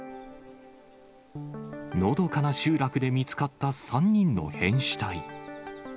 のどかな集落で見つかった３人の変死体。